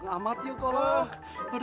si agan pak melenser